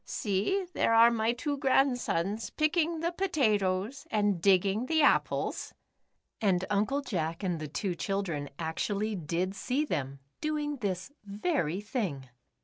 See, there are my two grandsons picking the potatoes and digging the apples," and Uncle Jack and the two children actually did see them, doing this very thing.